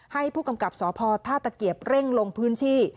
ให้ผู้กำกับสพท่าตะเกียบเร่งลงพื้นที่